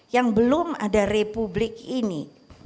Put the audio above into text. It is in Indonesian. yang belum ada republik ini